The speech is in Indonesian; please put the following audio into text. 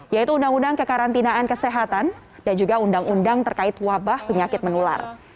yaitu undang undang kekarantinaan kesehatan dan juga undang undang terkait wabah penyakit menular